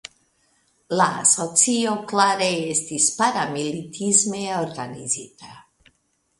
La asocio klare estis paramilitisme organizita.